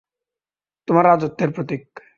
তোমার রাজত্বের প্রতীক।